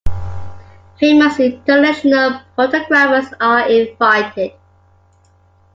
Famous international photographers are invited.